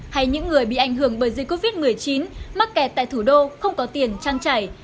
hay những người bị ảnh hưởng bởi dịch covid một mươi chín mắc kẹt tại thủ đô không có tiền trang trải